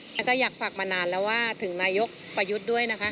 แล้วก็อยากฝากมานานแล้วว่าถึงนายกประยุทธ์ด้วยนะคะ